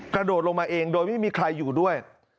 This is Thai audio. กระโดดลงมาเองโดยไม่มีใครอยู่ด้วย